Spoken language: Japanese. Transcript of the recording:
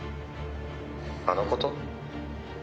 「あの事？」